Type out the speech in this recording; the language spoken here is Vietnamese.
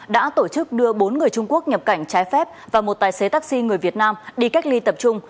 đã tổ chức đưa bốn người trung quốc nhập cảnh trái phép và một tài xế taxi người việt nam đi cách ly tập trung